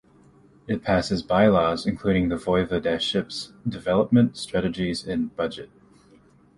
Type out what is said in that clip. It passes bylaws, including the voivodeship's development strategies and budget.